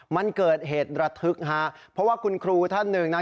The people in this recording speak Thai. มันเกิดเหตุระทึกฮะเพราะว่าคุณครูท่านหนึ่งนะ